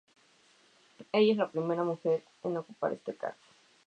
Ella es la primera mujer en ocupar este cargo.